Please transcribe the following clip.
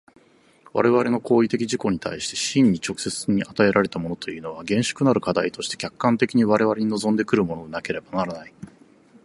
我々の行為的自己に対して真に直接に与えられたものというのは、厳粛なる課題として客観的に我々に臨んで来るものでなければならない。